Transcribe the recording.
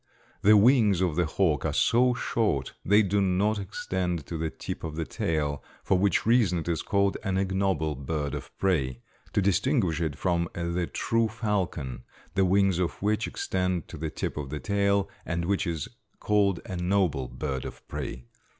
The wings of the hawk are so short they do not extend to the tip of the tail, for which reason it is called an ignoble bird of prey, to distinguish it from the true falcon, the wings of which extend to the tip of the tail and which is called a noble bird of prey.